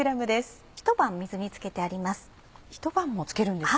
ひと晩水につけてあります。